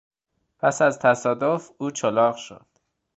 پس از تصادف او چلاق شد.